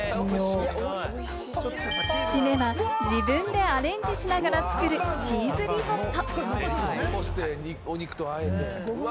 締めは自分でアレンジしながら作るチーズリゾット。